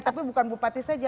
tapi bukan bupati saja